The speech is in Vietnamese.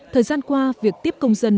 thời gian qua việc tiếp công dân